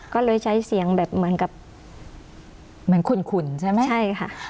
ก็เลยใช้เสียงแบบเหมือนกับเหมือนขุ่นใช่ไหมใช่ค่ะ